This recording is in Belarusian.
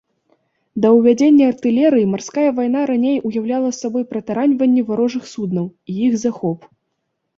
Да ўвядзення артылерыі марская вайна раней уяўляла сабой пратараньванне варожых суднаў і іх захоп.